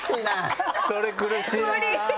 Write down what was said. それ苦しいな！